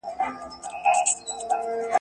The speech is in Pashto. پر اسمان یې د پردیو غوبل جوړ دی.